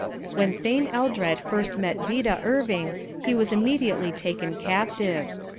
When Thane Eldred first met Vida Irving he was immediately taken captive.